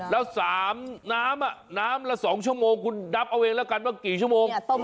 แล้ว๓น้ำน้ำละ๒ชั่วโมงคุณนับเอาเองแล้วกันว่ากี่ชั่วโมง